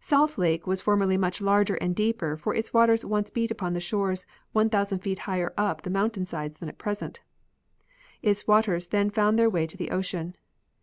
Salt Lake was formerly much larger and deeper, for its waters once beat upon shores one thousand feet higher up the moun tain sides than at present; its waters then found their way to the ocean.